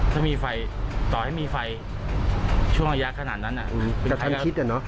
ถ้ามีไฟต่อให้มีไฟช่วงระยะขนาดนั้นอืมแต่ความคิดอ่ะเนอะ